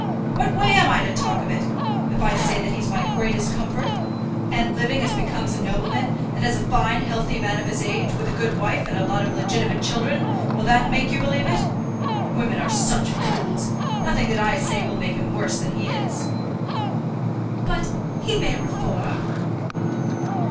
"What way am I to talk of it? If I say that he's my greatest comfort, and living as becomes a nobleman, and is a fine healthy man of his age, with a good wife and a lot of legitimate children, will that make you believe it? Women are such fools. Nothing that I say will make him worse than he is." "But he may reform."